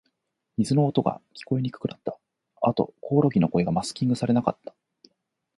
水の音が、聞こえにくくなった。あと、コオロギの声がマスキングされなかった。